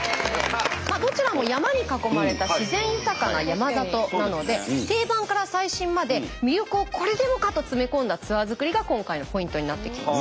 どちらも山に囲まれた自然豊かな山里なので定番から最新まで魅力をこれでもかと詰め込んだツアー作りが今回のポイントになってきます。